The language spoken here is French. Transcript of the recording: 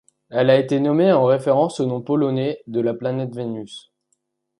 Elle a été nommée en référence au nom polonais de la planète Vénus.